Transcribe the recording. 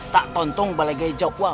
tak tonton balai gaya jok bang